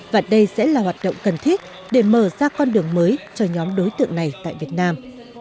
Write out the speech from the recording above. và đây sẽ là hoạt động cần thiết để mở ra con đường mới cho nhóm đối tượng này tại việt nam